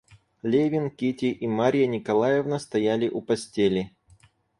Левин, Кити и Марья Николаевна стояли у постели.